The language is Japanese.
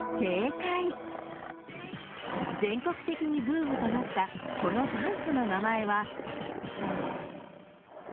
［全国的にブームとなったこのダンスの名前は］